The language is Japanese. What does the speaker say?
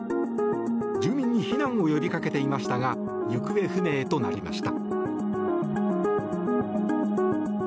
住民に避難を呼びかけていましたが行方不明となりました。